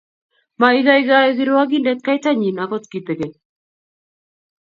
Maikaikai kirwokindet kaita nyin akot kitegen